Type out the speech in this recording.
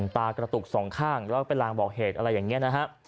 ตากระตุกสองข้างแล้วก็เป็นลางบอกเหตุอะไรอย่างนี้นะฮะ